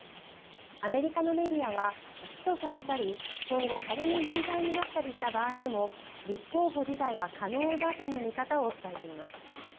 アメリカのメディアは起訴されたり今後、仮に有罪になったりした場合でも立候補自体は可能だとの見方を伝えています。